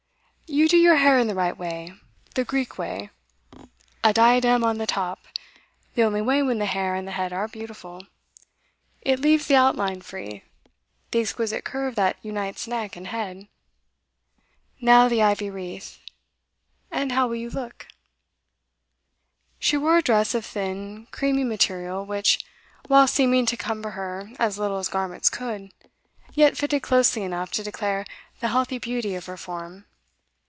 'You do your hair in the right way the Greek way. A diadem on the top the only way when the hair and the head are beautiful. It leaves the outline free the exquisite curve that unites neck and head. Now the ivy wreath; and how will you look?' She wore a dress of thin, creamy material, which, whilst seeming to cumber her as little as garments could, yet fitted closely enough to declare the healthy beauty of her form.